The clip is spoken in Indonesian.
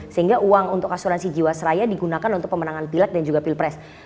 sehingga uang untuk asuransi jiwasraya digunakan untuk pemenangan pilek dan juga pilpres